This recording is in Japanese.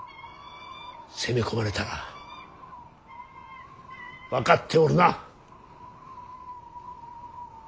攻め込まれたら分かっておるな。